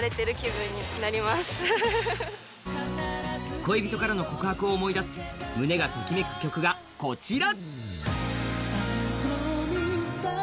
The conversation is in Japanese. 恋人からの告白を思い出す胸がときめく曲がこちら。